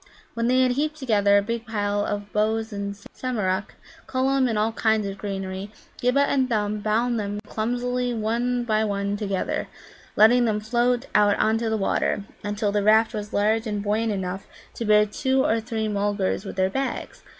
When they had heaped together a big pile of boughs and Samarak, Cullum and all kinds of greenery, Ghibba and Thumb bound them clumsily one by one together, letting them float out on to the water, until the raft was large and buoyant enough to bear two or three Mulgars with their bags.